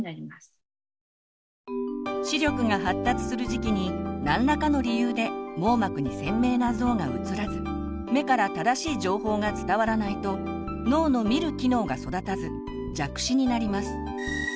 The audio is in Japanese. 視力が発達する時期に何らかの理由で網膜に鮮明な像がうつらず目から正しい情報が伝わらないと脳の「見る」機能が育たず弱視になります。